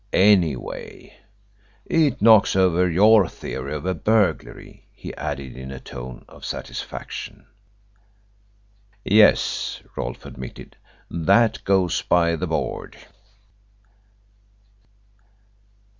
Anyway, it knocks over your theory of a burglary," he added in a tone of satisfaction. "Yes," Rolfe admitted. "That goes by the board."